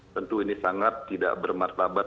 tentu ini sangat tidak bermartabat